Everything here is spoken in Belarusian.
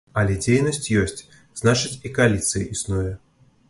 Але дзейнасць ёсць, значыць, і кааліцыя існуе.